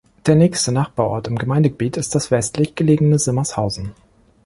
Der nächste Nachbarort im Gemeindegebiet ist das westlich gelegene Simmershausen.